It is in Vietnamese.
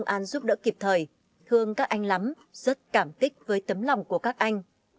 người chiến sĩ công an giúp đỡ kịp thời thương các anh lắm rất cảm kích với tấm lòng của các anh